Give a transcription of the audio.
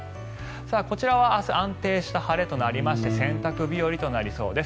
こちらは明日安定した晴れとなりまして洗濯日和となりそうです。